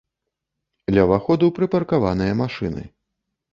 Ля ўваходу прыпаркаваныя машыны.